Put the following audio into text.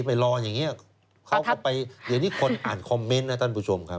ไปรออย่างนี้เขาก็ไปเดี๋ยวนี้คนอ่านคอมเมนต์นะท่านผู้ชมครับ